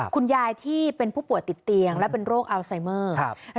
คุณยายที่เป็นผู้ป่วยติดเตียงและเป็นโรคอัลไซเมอร์